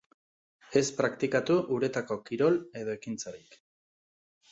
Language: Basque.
Ez praktikatu uretako kirol edo ekintzarik.